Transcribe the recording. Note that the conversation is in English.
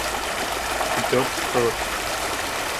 A built prototype.